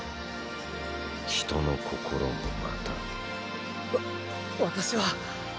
人の心もまたーーわ私は。